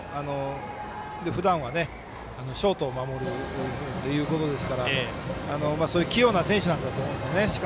ふだんはショートを守るということですから器用な選手なんだと思います。